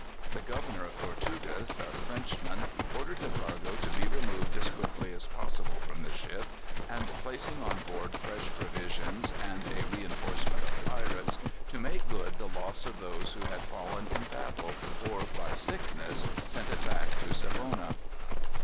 The governor of Tortugas, a Frenchman, ordered the cargo to be removed as quickly as possible from the ship, and placing on board fresh provisions and a reënforcement of pirates, to make good the loss of those who had fallen in battle or by sickness, sent it back to Savona.